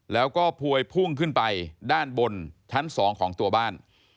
แล้วก็พวยพุ่งขึ้นไปด้านบนชั้น๒ของตัวบ้าน